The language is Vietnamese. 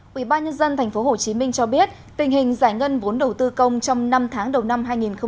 quỹ ba nhân dân tp hcm cho biết tình hình giải ngân vốn đầu tư công trong năm tháng đầu năm hai nghìn hai mươi